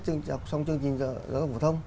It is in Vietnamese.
trong chương trình giáo dục phổ thông